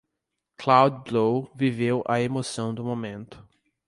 Cloud-Blue viveu a emoção do momento.